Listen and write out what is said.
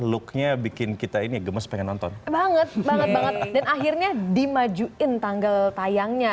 looknya bikin kita ini gemes pengen nonton banget banget banget dan akhirnya dimajuin tanggal tayangnya